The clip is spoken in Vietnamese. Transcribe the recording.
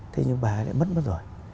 thế nhưng bà ấy lại mất mất rồi